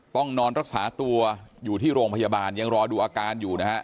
ต้องนอนรักษาตัวอยู่ที่โรงพยาบาลยังรอดูอาการอยู่นะฮะ